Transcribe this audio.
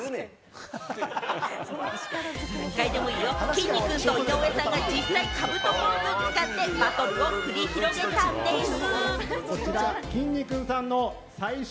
きんに君と井上さんが実際にカブトボーグを使ってバトルを繰り広げたんでぃす！